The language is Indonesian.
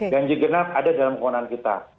dan juga ada dalam kewenangan kita